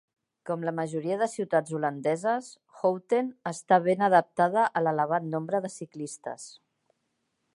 Com la majoria de ciutats holandeses, Houten està ben adaptada a l'elevat nombre de ciclistes.